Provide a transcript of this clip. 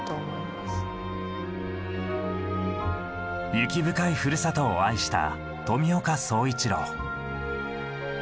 雪深いふるさとを愛した富岡惣一郎。